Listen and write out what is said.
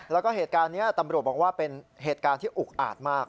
แล้วก็เหตุการณ์นี้ตำรวจบอกว่าเป็นเหตุการณ์ที่อุกอาจมาก